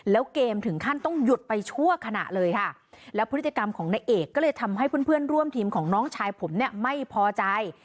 แล้วเกมถึงขั้นต้องหยุดไปชั่วขณะเลยค่ะแล้วพฤติกรรมของนายเอกก็เลยทำให้เพื่อนเพื่อนร่วมทีมของน้องชายผมเนี่ยไม่พอใจ